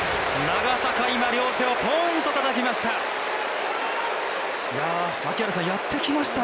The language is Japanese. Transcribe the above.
長坂、今両手をポーンとたたきました。